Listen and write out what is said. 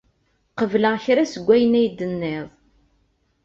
Qebleɣ kra seg wayen ay d-tennid.